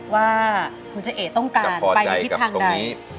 ว่าคุณเจ้าเอกต้องการไปทิศทางไหนจะพอใจกับตรงนี้